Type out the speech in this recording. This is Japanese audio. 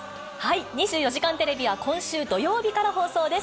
２４時間テレビは今週土曜日から放送です。